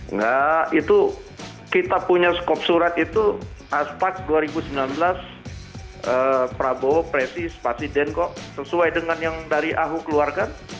nah itu kita punya kop surat itu aspek dua ribu sembilan belas prabowo presiden kok sesuai dengan yang dari ahu keluarga